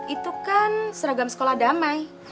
itu kan seragam sekolah damai